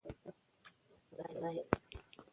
د دې لنډۍ تر تورې زیاتې وې.